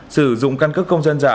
sử dụng căn cấp công dân giả